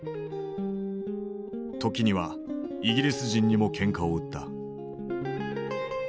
時にはイギリス人にもけんかを売った。